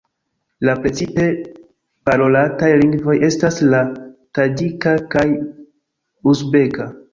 La precipe parolataj lingvoj estas la taĝika kaj uzbeka.